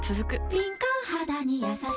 敏感肌にやさしい